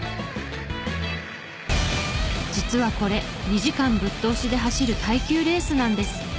実はこれ２時間ぶっ通しで走る耐久レースなんです。